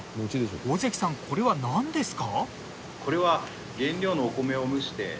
尾関さんこれはなんですか？